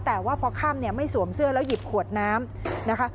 แต่ว่าพอค่ำเนี่ยไม่สวมเสื้อแล้วหยิบขวดน้ำนะคะ